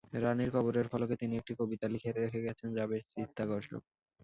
রাণীর কবরের ফলকে তিনি একটি কবিতা লিখে রেখে গেছেন যা বেশ চিত্তাকর্ষক!